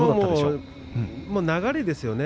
流れですよね。